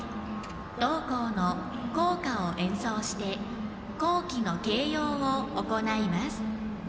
同校の校歌を演奏して校旗の掲揚を行います。